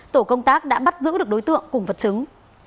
tổ công tác đã bắt giữ được đối tượng cùng vật chứng